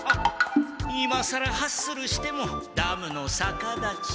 いまさらハッスルしてもダムのさかだち